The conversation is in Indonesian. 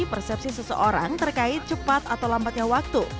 persepsi seseorang terkait cepat atau lambatnya waktu